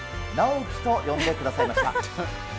直樹と呼んでくださいました。